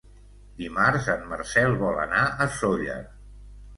Dimarts en Marcel vol anar a Sóller.